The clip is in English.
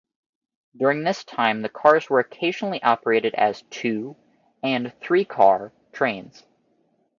During this time, the cars were occasionally operated as two- and three-car trains.